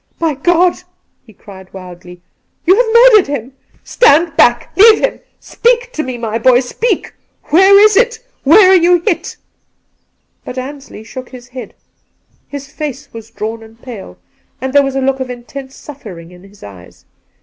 ' My God !' he cried wildly, ' you have murdered him ! Stand back ! leave him ! Speak to me, my boy, speak ! Where is it ? Where are you hit 1' But Ansley shook his head; his face was drawn and pale, and there was a look of intense suffering in his eyes.